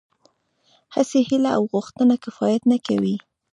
هسې هيله او غوښتنه کفايت نه کوي.